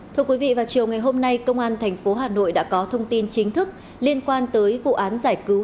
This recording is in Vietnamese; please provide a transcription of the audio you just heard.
thưa quý vị vào chiều ngày hôm nay công an tp hà nội đã có thông tin chính thức liên quan tới vụ án giải cứu